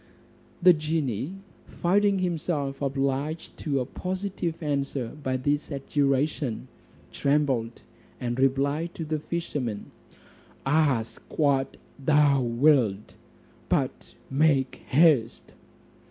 The genie finding himself obliged to a positive answer by this adjuration, trembled; and replied to the fisherman, "Ask what thou wilt, but make haste."